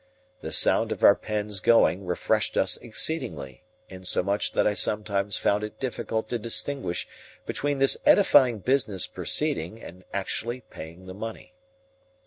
The sound of our pens going refreshed us exceedingly, insomuch that I sometimes found it difficult to distinguish between this edifying business proceeding and actually paying the money.